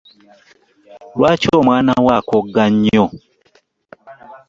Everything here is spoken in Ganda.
Lwaki omwana wo akoga nnyo?